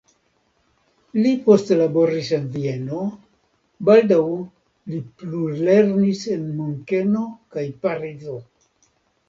Li poste laboris en Vieno, baldaŭ li plulernis en Munkeno kaj Parizo.